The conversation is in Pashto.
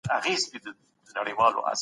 هلته یې خپلو دوستانو ته ښیي.